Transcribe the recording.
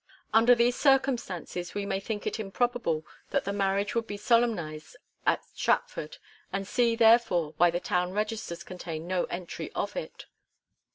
^ Under these' circumstances we may think it improbable that the marriage would be solemnised at Stratford, and see, therefore, why the town registers contain no entry of it.